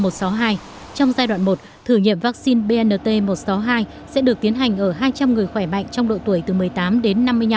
trong giai đoạn một thử nghiệm vaccine bnt một trăm sáu mươi hai sẽ được tiến hành ở hai trăm linh người khỏe mạnh trong độ tuổi từ một mươi tám đến năm mươi năm